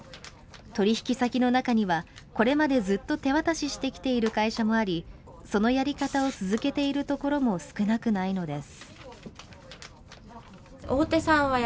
取引先の中には、これまでずっと手渡ししてきている会社もありそのやり方を続けているところも少なくないのです。